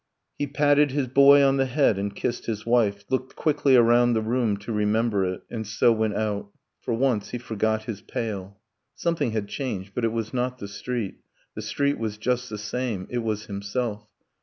. He patted his boy on the head, and kissed his wife, Looked quickly around the room, to remember it, And so went out ... For once, he forgot his pail. Something had changed but it was not the street The street was just the same it was himself.